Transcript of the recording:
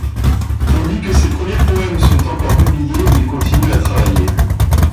Tandis que ses premiers poèmes sont encore publiées, il continue à travailler.